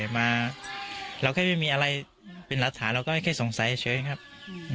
มาเราแค่ไม่มีอะไรเป็นรัฐฐานเราก็ไม่แค่สงสัยเฉยเฉยครับอืม